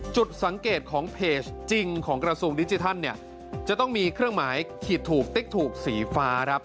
จุดสังเกตของเพจจริงของกระทรวงดิจิทัลเนี่ยจะต้องมีเครื่องหมายขีดถูกติ๊กถูกสีฟ้าครับ